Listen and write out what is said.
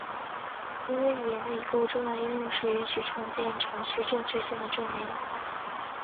规约语言的一个重要应用是允许创建程序正确性的证明。